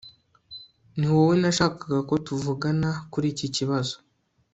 Niwowe nashakaga ko tuvugana kuri iki kibazo